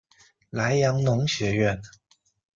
莱阳农学院。